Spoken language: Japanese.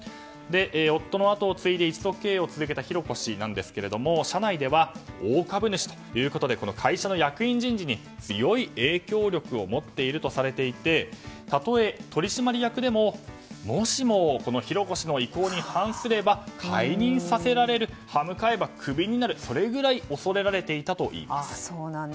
夫の跡を継いで一族経営を続けた浩子氏なんですけれども社内では、大株主ということで会社の役員人事に強い影響力を持っているとされていてたとえ取締役でももしも、浩子氏の意向に反すれば解任させられる、歯向かえばクビになる、それぐらい恐れられていたといいます。